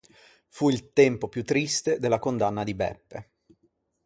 Fu il tempo più triste della condanna di Beppe.